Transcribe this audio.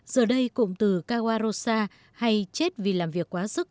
giờ đây cụm từ kawarosa hay chết vì làm việc quá sức